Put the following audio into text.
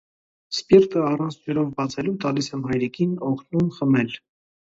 Սպիրտը, առանց ջրով բացելու, տալիս եմ հայրիկին, օգնում խմել: